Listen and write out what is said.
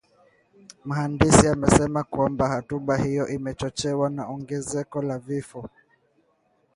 Mhandisi amesema kwamba hatua hiyo imechochewa na ongezeko la vifo